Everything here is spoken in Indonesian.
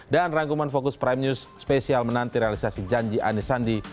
dan rangkuman fokus prime news spesial menanti realisasi janji anies sandi